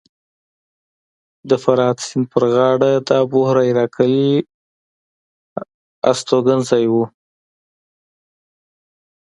د فرات سیند په غاړه د ابوهریره کلی هستوګنځی و